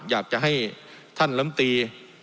อยากจะให้ท่านลำตี